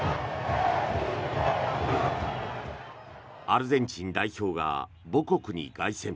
アルゼンチン代表が母国に凱旋。